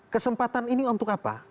kesempatan ini untuk apa